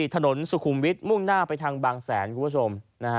ถนนสุขุมวิทพุ่งหน้าไปทางบางแศกครัวชม